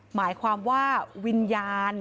หมายความว่าวิญญาณ